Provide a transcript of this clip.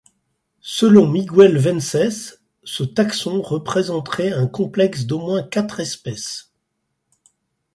Selon Miguel Vences, ce taxon représenterait un complexe d'au moins quatre espèces.